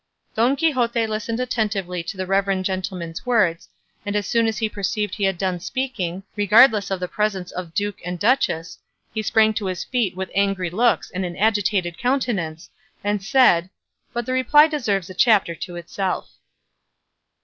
Don Quixote listened attentively to the reverend gentleman's words, and as soon as he perceived he had done speaking, regardless of the presence of the duke and duchess, he sprang to his feet with angry looks and an agitated countenance, and said But the reply deserves a chapter to itself.